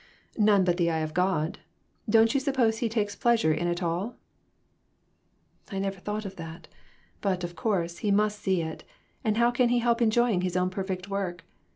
"None but the eye of God. Don't you suppose he takes pleasure in it all?" " I never thought of that ; but, of course, he must see it, and how can he help enjoying his own perfect work